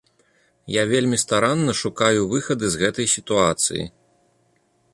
Я вельмі старанна шукаю выхады з гэтай сітуацыі.